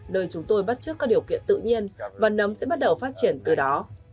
nơi chúng tôi bắt trước các điều kiện tự nhiên và nấm sẽ bắt đầu phát triển từ đó